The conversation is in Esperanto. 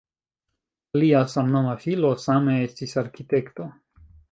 Lia samnoma filo same estis arkitekto.